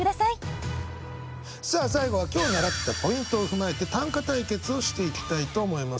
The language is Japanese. さあ最後は今日習ったポイントを踏まえて短歌対決をしていきたいと思います。